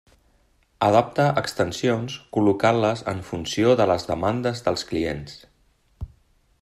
Adapta extensions col·locant-les en funció de les demandes dels clients.